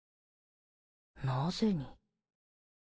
なぜに？